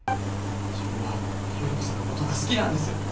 自分は依子さんのことが好きなんです！